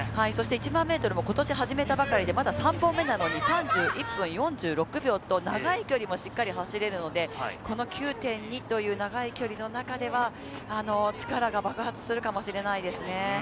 １００００ｍもことし始めたばかりで、また３本目なのに３０分４６秒と長い距離もしっかり走れるので、この９．２という長い距離の中では力が爆発するかもしれないですね。